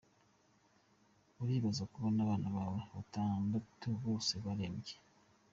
Uribaza kubona abana bawe batandatu bose barembye?”.